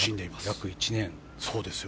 約１年。